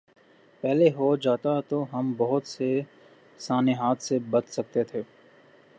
پہلے ہو جاتا تو ہم بہت سے سانحات سے بچ سکتے تھے۔